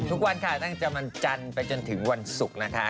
ทุกวันค่ะตั้งแต่วันจันทร์ไปจนถึงวันศุกร์นะคะ